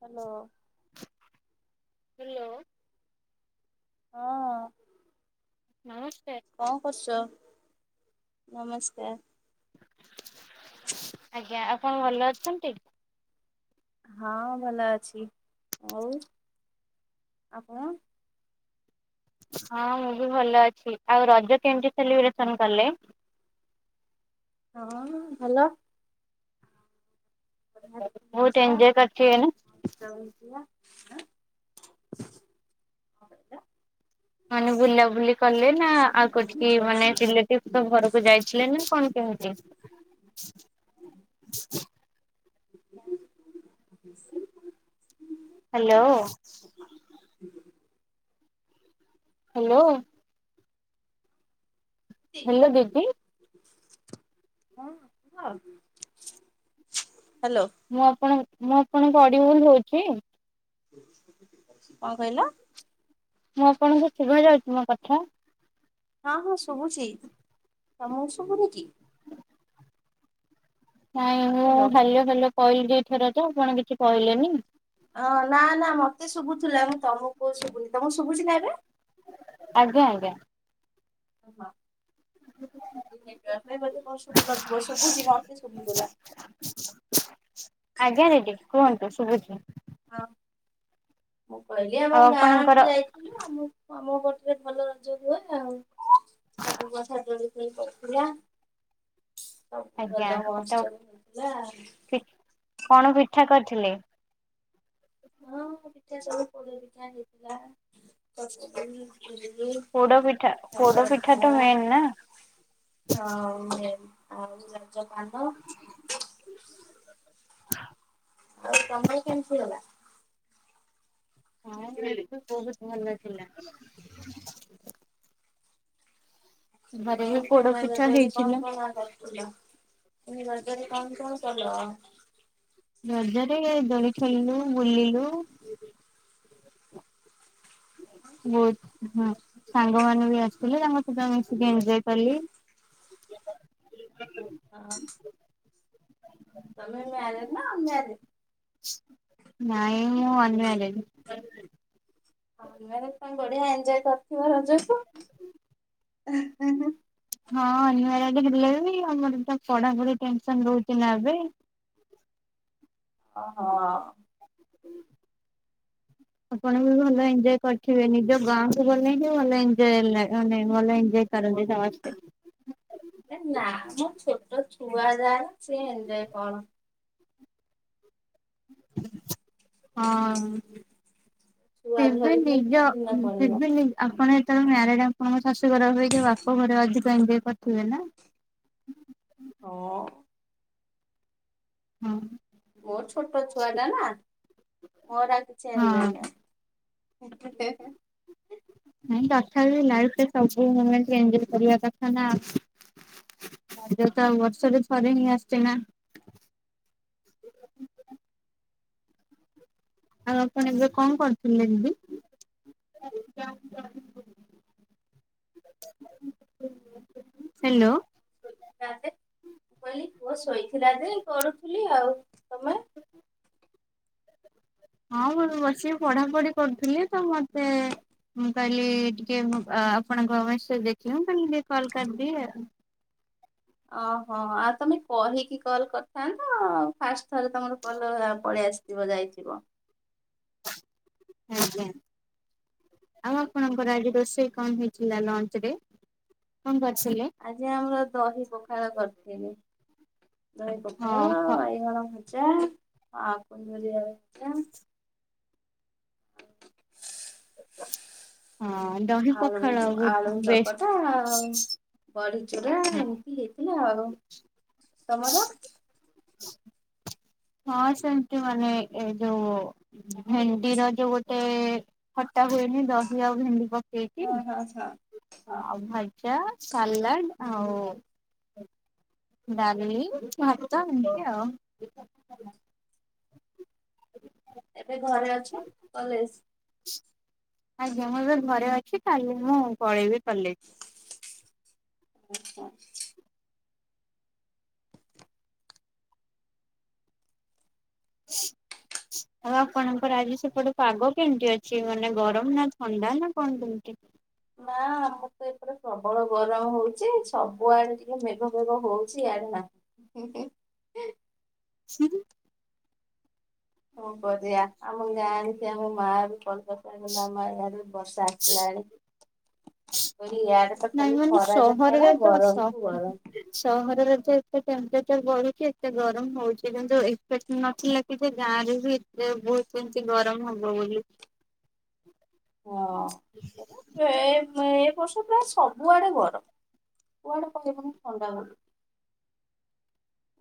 Hello. Hello. ହଁ। ନମସ୍କାର। କଣ କରୁଛ ନମସ୍କାର। ଆଜ୍ଞା ଆପଣ ଭଲ ଅଛନ୍ତି। ହଁ ଭଲ ଅଛି ହଉ ଆଉ ମୁଁ। ହଁ ମୁଁ ବି ଭଲ ଅଛି ଆଉ ରଜ କେମିତି ସେଲିବ୍ରେସନ କଲେ। ହଁ ହାଲୋ। ବହୁତ ଏଞ୍ଜୟ କରିଥିବେ ନା? [unintelligible] ମାନେ ବୁଲା ବୁଲି କଲେ ନା ଆଉ କୋଠିକି ମାନେ ରିଲେଟିଭିଙ୍କ ଘରକୁ ଯାଇଥିଲେ ନା କଣ କେମିତି। ହାଲୋ। ହାଲୋ। Hello baby. ହଁ ହଁ ହାଲୋ। ମୁଁ ଆପଣ ମୁଁ ଆପଣଙ୍କ ଅଡିଉଲ୍ ହଉଚି। କଣ କହିଲ? ମୁଁ ଆପଣଙ୍କୁ ଶୁଭା ଯାଉଛି ମୋ କଥା। ହଁ ହଁ ଶୁଭୁଛି ତମକୁ ଶୁଭୁନିକି। ନାଇଁ ମୁଁ ହ୍ୟାଲୋ। ହାଲୋ ହାଲୋ କହିଲି ଏଇଥରଜ ଆପଣ କିଛି କହିଲେନି। ହଁ ନା ନା ମତେ ଶୁଭୁଥିଲା ମୁଁ ତମକୁ ଶୁଭୁନି ତମକୁ ଶୁଭୁଛି ନା ଏବେ। ଆଜ୍ଞା ଆଜ୍ଞା। ହଁ [unintelligible] ବୋଧେ କଣ ଶୁଭୁନଥିବ ଶୁଭୁଛି ମତେ ଶୁଭିଗଲା। ଆଜ୍ଞା ରେଟି କୁହନ୍ତୁ ଶୁଭୁଛିି। ହଁ ମୁଁ କହିଲି ଆମ ଆଉ ଆପଣଙ୍କର ଗାଁକୁୁ ଯାଇ ଆମ ଆମ ପଟରେ ଭଲ ରଜ ହୁଏ ଆଉ। ସବୁ କଥା କ୍ଲିୟର କି କହୁଥିଲା। ଆଜ୍ଞା ମହୋତ୍ସବ ହେଇଥିଲା। [unintelligible] କଣ ପିଠା କରିଥିଲେ? ହଁ ପିଠା ସବୁ ପୋଡ ପିଠା ହେଇଥିଲା କରିଥିଲି। ଏଣ୍ଡୁରି ପୋଡ ପିଠା ପୋଡ କାକରା ପିଠା ତ ମେନ୍ ନା। ହଉ [inaudible] ଆଉ ରଜ ଧାନ ଆଉ ତମେଇ କେମିତି ହେଲା? ହଁ ରିଏଲି ବହୁତ ଭଲ ଲାଗିଲା। ଘରେ ବି [unintelligible] ପୋଡ ପୁଲ ପିଠା ହେଇଥିଲା। ମୁଁ ନି ରଜରେ କଣ କଣ କଲ? ରଜରେ ଦୋଳି ଖେଳିଲୁ ବୁଲିଲୁ। ବହୁତ ହଁ। ସାଙ୍ଗ ମାନେ ବି ଆସିଥିଲେ ଆମେ ମିଶିକି ଏନଜଏ କଲି। [inaudible] ହଁ। ତମେ ମ୍ୟାରେଜ ନା ଅନମ୍ୟାରେଜ? ନାଇଁ ମୁଁ ଅନମ୍ୟାରେଡ। ଅନମ୍ୟାରେଡ ପାଇଁ ବଢିଆ ଏନଜଏ କରିଥିବ ରଜ। [inaudible] ହ ହ ହଁ ହଁ [unintelligible] ହେଲେ ବି ଆମର ତ ପଢାପଢି ଟେନସନ ରହୁଛି ନା ଏବେ ଓହୋ। [inaudible] ଆପଣ ବି ଭଲ ଏନଜଏ କରିଥିବେ ନିଜ ଗାଁକୁ ଗଲେ ହିଁ ଭଲ ଏନଜଏ ଲାଗେ ଭଲ ଏନଜଏ କରନ୍ତି ସମସ୍ତେ। ନାମ ଛୋଟ ଛୁଆ ଯାର ସିଏ ଏନଜଏ କଣ? ହଁ। ଛୁଆ ଫିର୍ ବି ଧରି ଧରି ନିଜ ଦିନ ଫିର୍ ପଳେଇବ ବି ନି ଆପଣ ଯେତେବେଳେ ମ୍ୟାରେଡ ଆପଣଙ୍କ ଶାଶୁଘର ଅପେକ୍ଷା ବାପ ଘରେ ଅଧିକ ଏନଜଏ କରିଥିବେ ନା? ଅ ହୁଁ। ମୋର ଛୋଟ ଛୁଆ ଟା ନା ମୋର କିଛି ହଁ ଏନଜଏ ନାହଁ। ହଁଏ ହଁ ଏ [unintelligible] ନାଇ ତଥାପି ଲାଇଫ ରେ ସବୁ ମୋମେଣ୍ଟ ରେ ଏନଜଏ କରିବା କଥା ନା। [inaudible] ବର୍ଷରେ ଥରେ ହିଁ ଆସେ ନା। ଆଉ ଆପଣ ଏବେ କଣ କରୁଥିଲେ ଦିଦି? [inaudible] ହ୍ୟାଲୋ [inaudible] ମୁଁ କହିଲି ପୁଅ ଶୋଇଥିଲା ଯେ ଗଡୁଥିଲି ଆଉ। ତମେ? ହଁ ମୁଁ ବସିକି ପଢାପଢି କରୁଥିଲି ତ ମତେ ମୁଁ କହିଲି ଟିକେ ଅ ଆପଣଙ୍କ ମେସେଜ ଦେଖି କହିଲି ଟିକେ କଲ କରିଦିଏ ଆଉ। ଓହୋ ଆଉ ତମେ କହିକି କଲ୍ କରିଥାନ୍ତ। ଫାଷ୍ଟ ଥରେ ତମର କଲ୍ ପଳେଇଆସି ଯିବ ଯାଇଥିବ? ଉ ହୁଁ। ଆଉ ଆପଣଙ୍କର ଆଜି ରୋଷେଇ କଣ ହେଇଥିଲା ଲଞ୍ଚ ରେ କଣ କରିଥିଲେ? ଆଜି ଆମର ଦହି ପଖାଳ କରିଥିଲି ଦହି ହଁ ପଖାଳ, ଖ ବାଇଗଣ ଭ ଯା କୁନ୍ଦ୍ରିରୀ ଆଳୁ ଭଜା। ହଁ। ଦହି ଆଳୁ ପଖାଳ ଆଳୁ ବହୁତ ବେଷ୍ଟ। ଚକଟା ଆଉ ବଢି ଚୁରା ଏମିତି ହେଇଥିଲା ଆଉ ତମର? ହଁ ସେମିତି ମାନେ ଏଯୋଉ ଭେଣ୍ଡିର ଯୋଉ ଗୋଟେ ଖଟା ହୁଏନି ଦହି ଆଉ ଭେଣ୍ଡି କ ଏକି ହଁ ହଁ ହଁ ହଁ ଆଉ ଭଜା ସାଲାଡ଼ ଆଉ ଡାଲି ଭାତ ଏମିତିଆଉ। ଏବେ ଘରେ ଅଛ କଲେଜ ଆଜ୍ଞା ମୁଁ ଏବେ ଘରେ ଅଛି କାଲି ମୁଁ ପଳେଇବି କଲେଜ। ଆଚ୍ଛା [unintelligible] ହୁଁ ଆଉ ଆପଣଙ୍କର ଆଜି ସେପଟେ ପାଗ କେମତି ଅଛି ମାନେ ଗରମ ନା ଥଣ୍ଡା ନା କଣ କେମିତି? ନା ଆମର ତ ଏପଟେ ପ୍ରବଳ ଗରମ ହଉଚି ସବୁଆଡେ ଟିକେ ମେଘ ଫେଘ ହଉଛି ୟାଡେ ନାହିଁ। ହୁଁ ହୁ। ହୁଁ ହୁଁ। କଣ କରିଆ ଆମ ଗାଁ ଆଣିଛି ଆମ [unintelligible] ବର୍ଷା ଆସିଲାଣି। ଇଆଡେ ତ ନାଇଁ ଖାଲି ମାନେ ଖରା ଯେ ସହରରେ ଖରା ତ ସହ ଗରମକୁୁ ଗରମ ସହରରେ ଯେ ଏତେ ଟେମ୍ପରେଚର ବଢୁଛି ଏତେ ଗରମ ହଉଛି କିନ୍ତୁ ଇଫେକ୍ଟ ନଥିଲାକି ଏତ ଗାଁରେ ବି ଏଥିରେ ବହୁତ କେମିତି ଗରମ ହବ ବୋଲି। ହଁ। ଏ ଏ ବର୍ଷ ପ୍ରାୟ ସବୁଆଡେ ଗରମ କୁଆଡେ କହିବନି ଥଣ୍ଡା ବୋଲି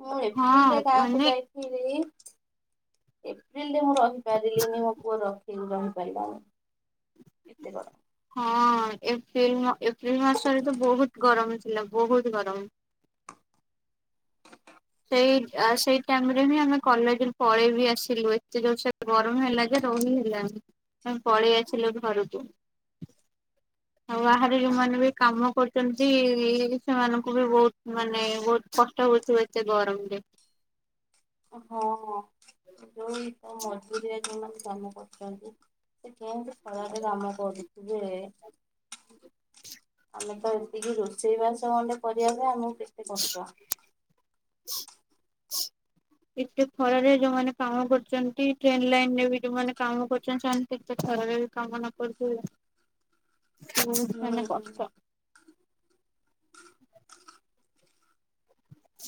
ମୁଁ ଏପ୍ରିଲରେ ହଁ ଗାଁକୁ ମାନେ ଯାଇଥିଲି ଏପ୍ରିଲରେ ମୁଁ ରହିପାରିଲିନି ମୋ ପୁଅ ରଖି ରହିପାରିବଲାନି କେତେ କଣ ହଁ ଏପ୍ରିଲ ଏପ୍ରିଲ ମାସରେ ତ ବହୁତ ଗରମ ହେଇଥିଲା ବହୁତ ଗରମ। ସେଇ ସେଇ ଟାଇମ୍ ରେ ହିଁ ଆମେ କଲେଜରୁ ପଳେଇ ବି ଆସିଲୁ ଏତେ ଜୋରସେ ଗରମ ହେଲା ଯେ ରହି ହେଲାନି ଆମ୍ ପଳେଇ ଆସିଲୁ ଘରକୁ। ଆଉ ଗରମ। ବାହାରେ ଯୋଉମାନେ ବି କାମ କରୁ ଚନ୍ତି ସେମାନଙ୍କୁ ବି ବହୁତ ମାନେ ବହୁତ କଷ୍ଟ ହଉଥିବ ଏତେ ଗରମରେ। ହଁ ଯୋଉ ମଜୁରିଆ ଯୋଉମାନେ କାମ କରୁଛନ୍ତି ସେ କେଏଁତି ଖରାରେ କାମ କରୁଥିବେ? ଆମେ ତ ଏତିକି ରୋଷେଇ ବାସ ଗଣ୍ଡେ କରିବାକୁ ଆମକୁ କେତେ କଷ୍ଟ ଛିଁ ଛିଁ ଏତେ ଖରାରେ ଯୋଉମାନେ କାମ କରୁଛନ୍ତି ଟ୍ରେନ୍ ଲାଇନ ରେ ବି ଯୋଉମାନେ କାମ କରୁଛନ୍ତି ସେମାନେ କେତେ ଖରାରେ କାମ ନ କରୁଥିବେ ବହୁତ ହୁଁ ମାନେ କଷ୍ଟ ଛି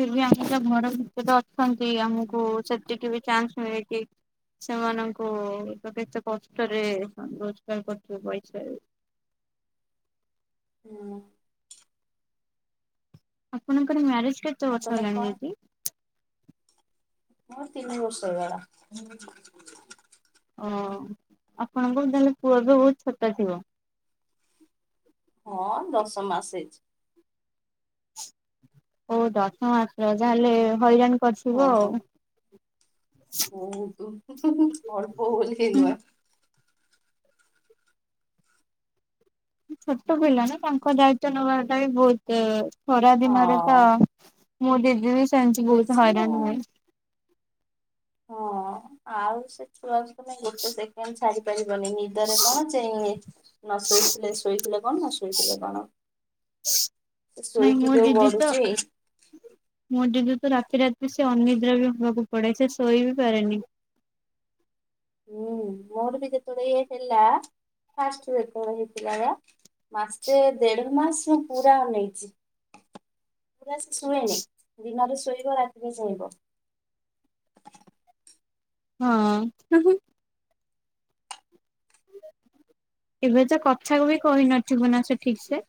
ଫିରବି ଆମେତ ଘର ଭିତରେ ଅଛନ୍ତି ଆମକୁ ସେତିକି ବି ଚାନ୍ସ ମିଳିଚି ସେମାନଙ୍କୁ ତ କେତେ କଷ୍ଟରେ ରୋଜଗାର କରୁଥିବେ ପଇସା ହୁଁ ଆପଣଙ୍କର ମ୍ୟାରେଜ କେତେ ଆଉ ବର୍ଷ ତମେ ହେଲାଣି କଣ? ଦିଦି? ମୋର ତିନି ବର୍ଷ ହେଇଗଲା। ଅଁ, ଆପଣଙ୍କର ତାହେଲେ ପୁଅ ଏବେ ବହୁତ ଛୋଟ ଥିବ। ହଁ ଦଶ ମାସ ହେଇଛି। ଓ ଦଶ ମାସର ଯାହାହେଲେ ହଇରାଣ ହଁ କରିଥିବ ହଁ ଆଉ ବହୁତ ଅଳ୍ପ ବୋଲି ହେଇ ନୁହଁ। ଛୋଟ ପିଲା ନା ତାଙ୍କ ଦାୟିତ୍ଵ ନେବା ଟା ବି ବହୁତ ଖରା ଦିନରେ ତ ହଁ ମୋ ଦିଦି ବି ସେଏଁତି ବହୁତ ବେଶୀ ହଇରାଣ ଆଉ। ହୁଏ। ହଁ ଆଉ ସେ ଛୁଆକୁ ନେଇ ଗୋଟେ ସେକେଣ୍ଡ ଛାଡ଼ି ପାରିବନି ନି ଦରେ କଣ ଯେଇଁ ବେ? ନ ଶୋଇଥିଲେ ଶୋଇଥିଲେ କଣ ନ ଶୋଇଥିଲେ କଣ। ନାଇଁ ଶୋଇ କି ମୋ ଯୋଉ ଦିଦି ତ ଗଡ଼ୁଚି। ମୋ ଦିଦି ତ ରାତି ରାତି ସେ ଅନିଦ୍ରା ବି ହବାକୁ ପଡ଼େ ସେ ଶୋଇ ବିି ପାରେନି। ହୁଁ ମୋର ବି ଯେତେବେଳେ ଇଏ ହେଲା, ଫାଷ୍ଟ ଯେତେବେଳେ ହେଇଥିଲା ବା ମାସେ ଦେଢ଼ ମାସ ପୁରା ଅନେଇଛି। ପୁରା ଶୁଏନି। ଦିନରେ ଶୋଇବ ରାତିରେ ଚେଁଇବ। ହଁ ହିଁ ହିଁ ଏବେ ତ କଥାକୁ ବି କହି ନଥିବ ନା ସେ ଠିକ ସେ?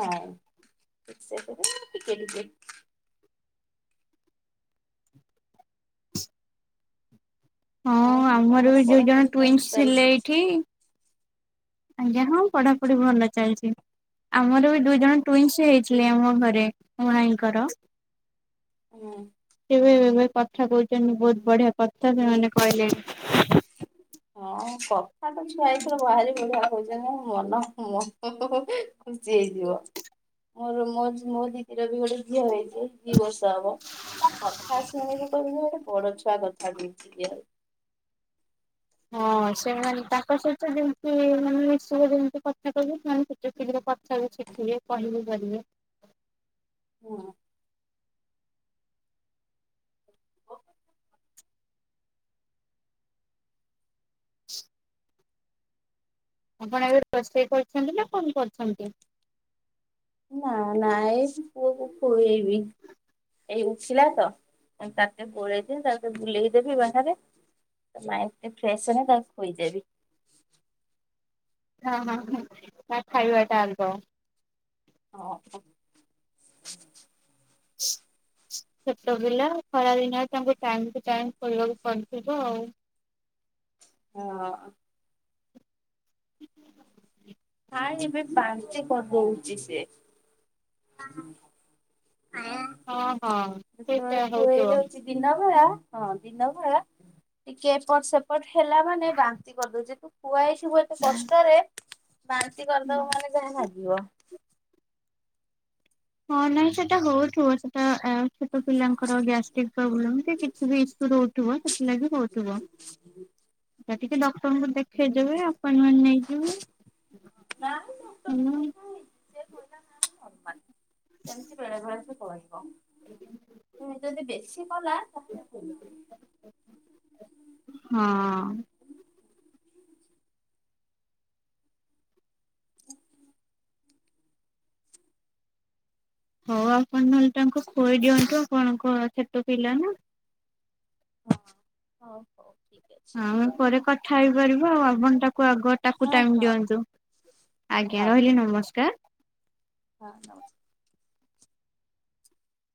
ନାଇଁ ସେଥି ପାଇଁ ଟିକେ ଟିକେ। ହଁ ଆଉ ଆମର ତମର ବି ଦୁଇ ଜଣ ପଢାପଢି ଟୁଇନ୍ସ୍ କେମିତି ଥିଲେ ଚାଲିଛି ଏଠି ଆଜ୍ଞା ହଁ ପଢ଼ାପଢ଼ି ଭଲ ଚାଲିଛି। ଆମର ବି ଦୁଇ ଜଣ ଟୁଇନ୍ସ୍ ହେଇଥିଲେ ଆମ ଘରେ ମୋ ଆଇଙ୍କର। ହୁଁ କେବେ ଏବେ କଥା କହୁଛନ୍ତି ବହୁତ ବଢ଼ିଆ କଥା ସେମାନେ କହିଲେଣି। ହ ହଁ କଥା ତ ଛୁଆ ଏଥର ବାହାରି ବଢ଼ିବା କହୁଛନ୍ତି ମୋ ମନ ମନ ଖୁସି ହେଇଯିବ। ମୋର ମୋ ମୋ ଦିଦିର ବି ଗୋଟେ ଝିଅ ହେଇଛି ଦି ବର୍ଷ ହବ। ତା କଥା ଶୁଣିବୁ କହିବୁ ଗୋଟେ ବଡ଼ ଛୁଆ କଥା କହୁଚି କି ଆଉ। ହଁ ସେମାନେ ତାଙ୍କ ସହିତ ଯେମି ତି ମାନେ ସିଏ ଯେମିତି କଥା କହିବେ, ସେମାନେ ସେତେ ଶୀଘ୍ର କଥା ବି ଶିଖିବେ କହି ବି ପାରିବେ। ହଁ। ଆପଣ ଏବେ ରୋଷେଇ କରିଛନ୍ତି ନା କଣ କରୁଛନ୍ତି? ନା -ନା ଏଇଠି ପୁଅକୁ ଖୁଏଇବି। ଏଇ ଉଠିଲା ତ, ମୁଁ ତାର ଟିକେ ଗୋଳେଇଦିଏ ବୁଲେଇଦେବି ବାହାରେ। ତା ମାଇଣ୍ଡ ଟିକେ ଫ୍ରେଶ୍ ହେଲେ ତାକୁ ଖୋଇଦେବି। ହଁ- ହଁ- ହଁ ଖାଇବା ଟା ଆଗ। ହଁ- ହଁ। [inaudible] ଛୋଟପିଲା ଖରାଦିନରେ ତାଙ୍କୁ ଟାଇମ୍ ଟୁ ଟାଇମ୍ ଖୋଇବାକୁ ପଡିଥିବ ଆଉ। ହଁ। ନାଇଁ ଏବେ ବାନ୍ତି କରିଦଉଛି ସିଏ। [unintelligible] ହଁ। ହଁ- ହଁ ସେଟା ହଉଥିବ। ଦଉଛି ଦିନ ବେଳା ହଁ ଦିନ ବେଳା ଟିକେ ଏପଟ ସେ ପଟ ହେଲା ମାନେ ବାନ୍ତି କରିଦଉଚି, ତୁ ଖୁଆଇଥିବୁ ଏତେ କଷ୍ଟରେ। ବାନ୍ତି ବାନ୍ତି କରିଦବ ମାନେ ଯାହା ନାଗିବ। ହଁ ନାଇଁ ସେଟା ହଉଥିବ। ସେ ଟା ଛୋଟ ପିଲାଙ୍କର ଗ୍ୟାଷ୍ଟ୍ରିକ ପ୍ରୋବ୍ଲେମ, କି କିଛି ବି ଇସ୍ୟୁ ରହୁଥିବ ସେଥିଲାଗି ହଉଥିବ। ହୁଁ ଆ ଟିକେ ଡକ୍ଟରଙ୍କୁ ଦେଖେଇଦବେ, ଆପ୍ଏଣ୍ଟମେଣ୍ଟ ନେଇଚି ମୁଁ ନା ଡକ୍ଟରଙ୍କୁ ହେଲା। ଦେଖା ହେଇଛି, ସେ କହିଲା ନା ନର୍ମାଲ। ସେମିତି ବେଳେବେଳେ ସେ କରିବ। ନାଇଁ ଯଦି ବେଶୀ କଲା ତାହେଲେ ହଁ। ହଉ ଆପଣ ନହେଲେ ତାଙ୍କୁ ଖୋଇ ଦିଅନ୍ତୁ। ଆପଣଙ୍କ ଛୋଟ ପିଲା ନା ହଁ ହଉ ହଉ। ଠିକ ଅଛି ଆମେ ପରେ କଥା ହେଇପାରିବା, ଆପଣ ତାକୁ ଆଗ ତାକୁ ହଁ ଟାଇମ ହଁ ହଉ ଦିଅନ୍ତୁ, ଆଜ୍ଞା ହଉ ରହିଲି ନମସ୍କାର। ହଁ ନମସ୍କାର।